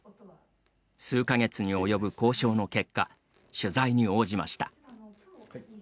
数か月に及ぶ交渉の結果取材に応じました。